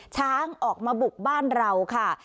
ช้างออกมาบุกบ้านเราค่ะ